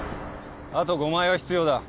あと５枚は必要だ。